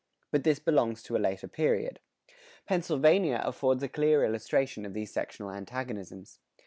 But this belongs to a later period.[112:3] Pennsylvania affords a clear illustration of these sectional antagonisms.